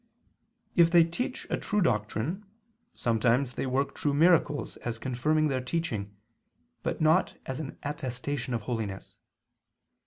If they teach a true doctrine, sometimes they work true miracles as confirming their teaching, but not as an attestation of holiness.